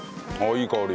いい香り。